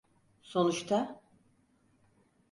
Sonuçta…